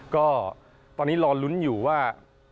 ก็ตอนนี้รอลุ้นอยู่ว่า